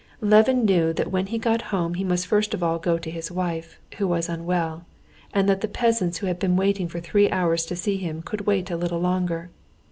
Levin knew that when he got home he must first of all go to his wife, who was unwell, and that the peasants who had been waiting for three hours to see him could wait a little longer.